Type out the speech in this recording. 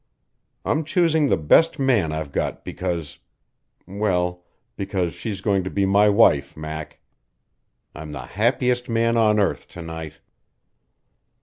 I'm choosing the best man I've got because well, because she's going to be my wife, Mac. I'm the happiest man on earth to night!"